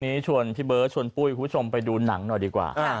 ชวนพี่เบิร์ดชวนปุ้ยคุณผู้ชมไปดูหนังหน่อยดีกว่า